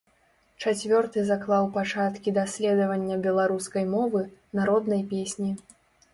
Чацвёрты заклаў пачаткі даследавання беларускай мовы, народнай песні.